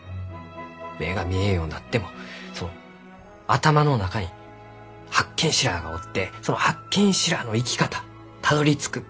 目が見えんようになってもその頭の中に八犬士らあがおってその八犬士らあの生き方たどりつく場所